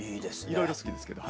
いろいろ好きですけど。